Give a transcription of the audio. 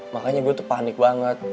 makanya gue tuh panik banget